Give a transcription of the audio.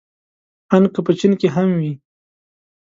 ان که په چين کې هم وي.